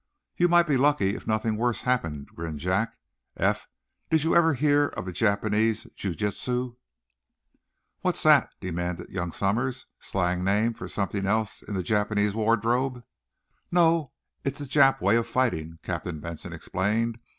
"You might be lucky if nothing worse happened," grinned Jack. "Eph, did you never hear of the Japanese jiu jitsu?" "What's that?" demanded young Somers. "Slang name for something else in the Jap wardrobe?" "No; it's the Jap way of fighting," Captain Benson explained.